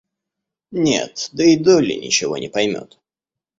Нет, да и Долли ничего не поймет.